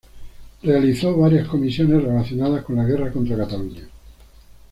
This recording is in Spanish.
Realizó varias comisiones relacionadas con la Guerra contra Cataluña.